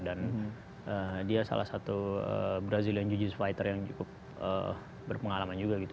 dan dia salah satu brazilian jiu jitsu fighter yang cukup berpengalaman juga gitu